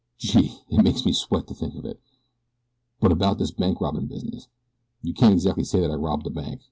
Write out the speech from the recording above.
Gee! it makes me sweat to think of it. But about this bank robbin' business. You can't exactly say that I robbed a bank.